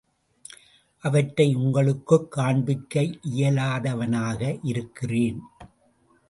அவற்றை உங்களுக்குக் காண்பிக்க இயலாதவனாக இருக்கிறேன்.